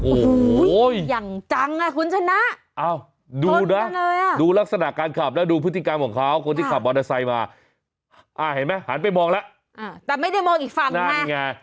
โอ้โหอย่างจังอ่ะคุณชนะดูนะดูลักษณะการขับแล้วดูพฤติกรรมของเขาคนที่ขับมอเตอร์ไซค์มาเห็นไหมหันไปมองแล้วแต่ไม่ได้มองอีกฝั่งนั่นไง